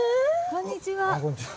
こんにちは。